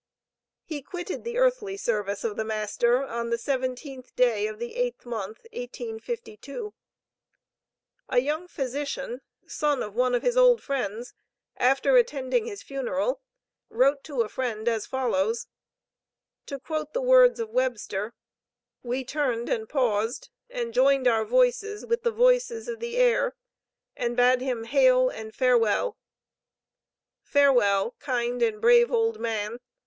He quitted the earthly service of the Master, on the 17th day of the eighth month, 1852. A young physician, son of one of his old friends, after attending his funeral, wrote to a friend, as follows: "To quote the words of Webster, 'We turned and paused, and joined our voices with the voices of the air, and bade him hail! and farewell!' Farewell, kind and brave old man!